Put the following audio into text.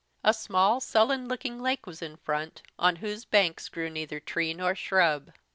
A small sullen looking lake was in front, on whose banks grew neither tree nor shrub.